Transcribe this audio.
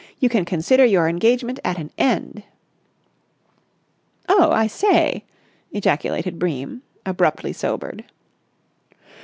You can consider your engagement at an end." "Oh, I say!" ejaculated Bream, abruptly sobered.